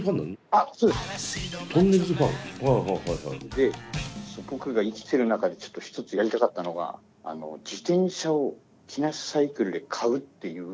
で僕が生きてる中でちょっと一つやりたかったのが自転車を木梨サイクルで買うっていう。